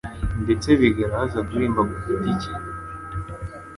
ndetse bigeraho aza kuririmba ku giti cye.